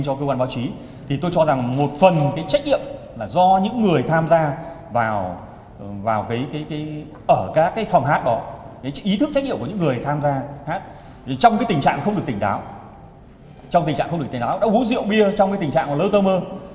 trong cái tình trạng không được tỉnh táo trong tình trạng không được tỉnh táo đã uống rượu bia trong cái tình trạng lơ tơ mơ